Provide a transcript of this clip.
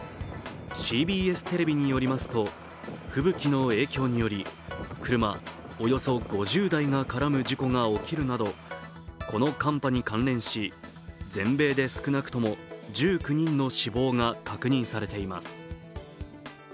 ＣＢＳテレビによりますと、吹雪の影響により車およそ５０台が絡む事故が起きるなどこの寒波に関連し全米で少なくとも１９人の死亡が確認されています。